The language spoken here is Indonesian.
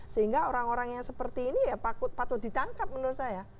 sehingga orang orang yang seperti ini ya patut ditangkap menurut saya